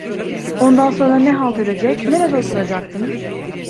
Ondan sonra ne halt edecek, nerede oturacaktım?